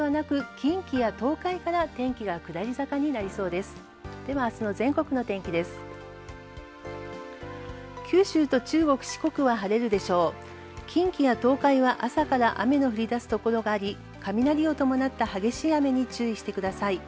近畿や東海は朝から雨の降り出すところがあり、雷を伴った激しい雨に注意してください。